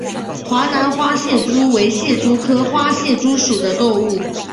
华南花蟹蛛为蟹蛛科花蟹蛛属的动物。